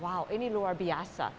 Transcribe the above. wow ini luar biasa